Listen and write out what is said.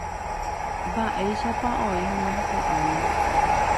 Mba'éichapa oĩhína ko'ág̃a.